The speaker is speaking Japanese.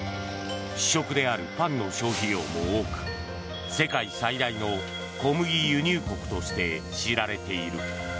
主食であるパンの消費量も多く世界最大の小麦輸入国として知られている。